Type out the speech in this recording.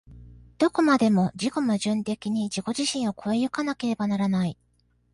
どこまでも自己矛盾的に自己自身を越え行かなければならない。